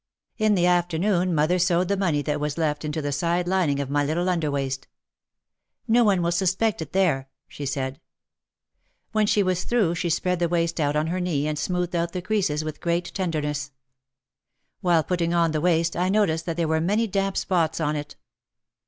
In the afternoon mother sewed the money that was left into the side lining of my little underwaist. "No one will suspect it there," she said. When she was through she spread the waist out on her knee and smoothed out the creases with great tenderness. While putting on the waist I noticed that there were many damp spots on it.